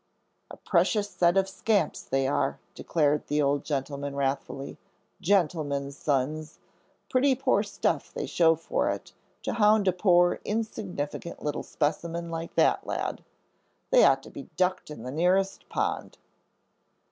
"A precious set of scamps they are," declared the old gentleman, wrathfully, "gentlemen's sons! Pretty poor stuff they show for it, to hound a poor, insignificant little specimen like that lad. They ought to be ducked in the nearest pond."